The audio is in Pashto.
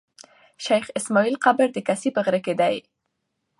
شېخ اسماعیل قبر د کسي په غره کښي دﺉ.